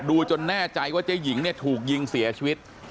จนแน่ใจว่าเจ๊หญิงเนี่ยถูกยิงเสียชีวิต